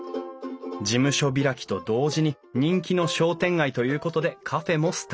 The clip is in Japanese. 事務所開きと同時に人気の商店街ということでカフェもスタート。